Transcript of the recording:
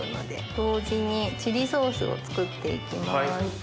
同時にチリソースを作って行きます。